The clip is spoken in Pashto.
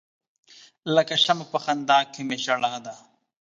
لکه شمع په خندا کې می ژړا ده.